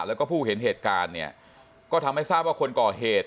แล้วก็ผู้เห็นเหตุการณ์เนี่ยก็ทำให้ทราบว่าคนก่อเหตุ